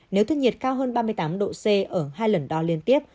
nếu thân nhiệt cao hơn ba mươi tám độ c ở hai lần đo liên tiếp